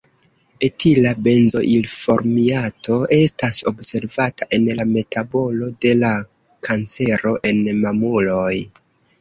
Etila benzoilformiato estas observata en la metabolo de la kancero en mamuloj.